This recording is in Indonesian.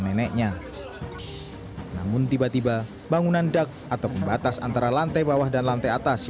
neneknya namun tiba tiba bangunan dak atau pembatas antara lantai bawah dan lantai atas